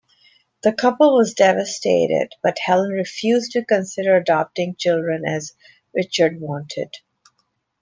The couple was devastated, but Helen refused to consider adopting children as Richard wanted.